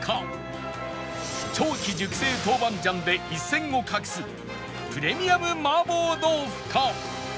長期熟成豆板醤で一線を画すプレミアム麻婆豆腐か？